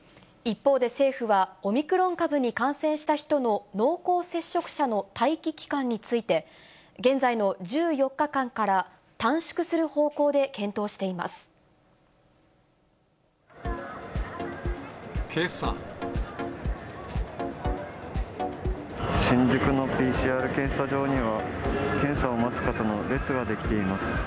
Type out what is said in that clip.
一方で政府は、オミクロン株に感染した人の濃厚接触者の待機期間について、現在の１４日間から短縮する方向で検討しています。